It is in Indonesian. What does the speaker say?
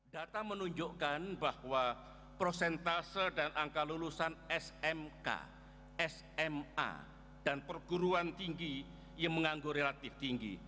data menunjukkan bahwa prosentase dan angka lulusan smk sma dan perguruan tinggi yang menganggur relatif tinggi